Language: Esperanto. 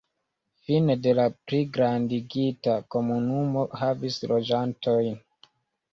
Fine de la pligrandigita komunumo havis loĝantojn.